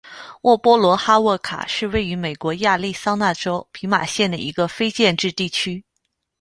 沃波罗哈沃卡是位于美国亚利桑那州皮马县的一个非建制地区。